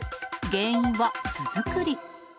原因は巣作り。